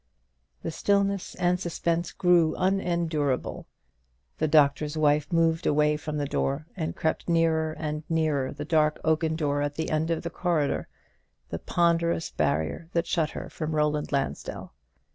The stillness and the suspense grew unendurable. The Doctor's Wife moved away from the door, and crept nearer and nearer the dark oaken door at the end of the corridor the ponderous barrier that shut her from Roland Lansdell.